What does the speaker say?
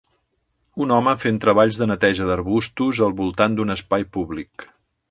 Un home fent treballs de neteja d'arbustos al voltant d'un espai públic.